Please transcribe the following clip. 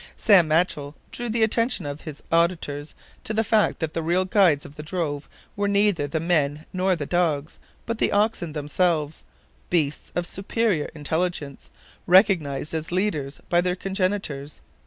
Sam Machell drew the attention of his auditors to the fact that the real guides of the drove were neither the men nor the dogs, but the oxen themselves, beasts of superior intelligence, recognized as leaders by their congenitors.